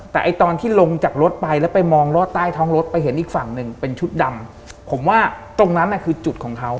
แต่ไอ้ตอนที่ลงจากรถไปแล้วไปมองรอดใต้ท้องรถไปเห็นอีกฝั่งหนึ่งเป็นชุดดำผมว่าตรงนั้นน่ะคือจุดของเขา